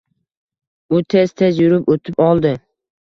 U tez-tez yurib oʻtib oldi.